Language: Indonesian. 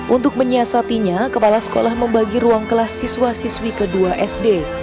untuk menyiasatinya kepala sekolah membagi ruang kelas siswa siswi kedua sd